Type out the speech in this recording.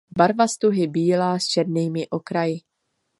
Barvy stuhy bílá s černými okraji.